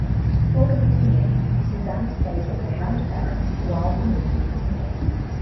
For convenience, Suzanne stays with her grandparents while the movie is made.